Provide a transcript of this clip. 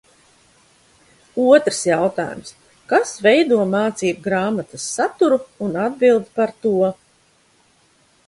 Otrs jautājums: kas veido mācību grāmatas saturu un atbild par to?